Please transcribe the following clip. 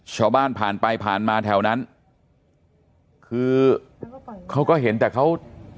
ชาวบ้านผ่านไปผ่านมาแถวนั้นคือเขาก็เห็นแต่เขา